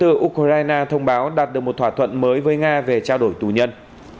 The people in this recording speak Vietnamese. ukraine thông báo đạt được một thỏa thuận mới với nga về trao đổi tù nhân